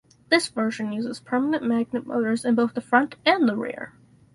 This version uses permanent magnet motors in both the front and the rear.